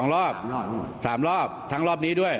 ๒รอบ๓รอบทั้งรอบนี้ด้วย